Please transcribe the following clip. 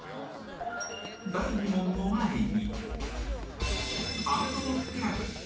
第２問の前に